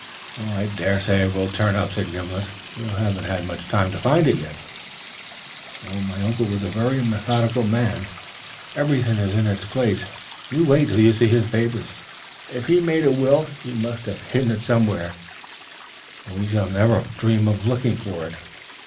"Oh, I daresay it will turn up," said Gimblet. "You haven't had much time to find it yet." "My uncle was a very methodical man. Everything is in its place. You wait till you see his papers! If he made a will he must have hidden it somewhere where we shall never dream of looking for it.